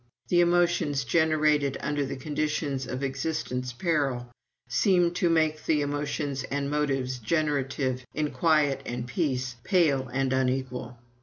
The emotions generated under the conditions of existence peril seem to make the emotions and motives generative in quiet and peace pale and unequal.